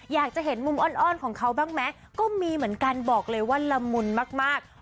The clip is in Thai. อยากจะเห็นมุมอ้อนของเขาบ้างไหมก็มีเหมือนกันบอกเลยว่าละมุนมาก